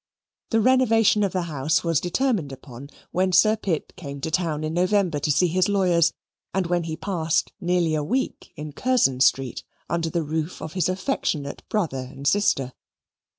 The renovation of the house was determined upon when Sir Pitt came to town in November to see his lawyers, and when he passed nearly a week in Curzon Street, under the roof of his affectionate brother and sister.